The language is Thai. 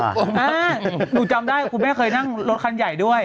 หนูจำได้คุณแม่เคยนั่งรถคันใหญ่ด้วย